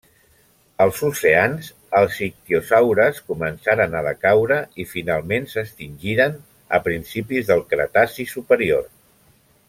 Als oceans, els ictiosaures començaren a decaure i finalment s'extingiren a principis del Cretaci superior.